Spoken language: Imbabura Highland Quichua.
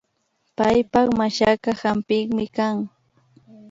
Paypak mashaka hampikmi kan